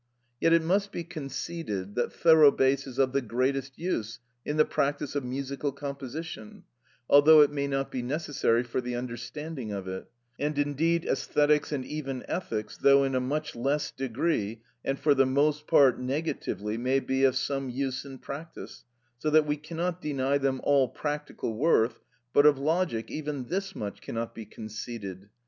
Yet it must be conceded that thorough bass is of the greatest use in the practice of musical composition, although it may not be necessary for the understanding of it; and indeed æsthetics and even ethics, though in a much less degree, and for the most part negatively, may be of some use in practice, so that we cannot deny them all practical worth, but of logic even this much cannot be conceded.